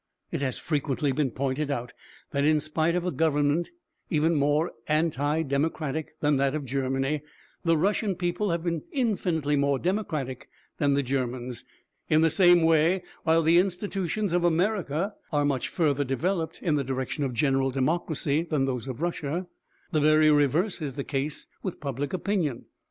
It has frequently been pointed out that in spite of a government even more anti democratic than that of Germany, the Russian people have been infinitely more democratic than the Germans. In the same way, while the institutions of America are much further developed in the direction of general democracy than those of Russia, the very reverse is the case with public opinion.